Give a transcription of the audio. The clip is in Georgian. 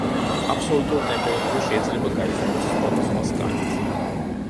აბსოლუტური ტემპერატურა შეიძლება გაიზომოს სხვადასხვა სკალით.